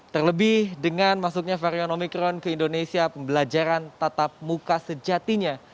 terlebih dengan masuknya varian omikron ke indonesia pembelajaran tatap muka sejatinya